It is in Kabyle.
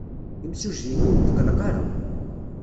Imsujji-inu ur yetqelleq ara.